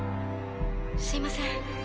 すいません。